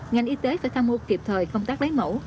ngành y tế phải tham hộ kịp thời công tác đáy mẫu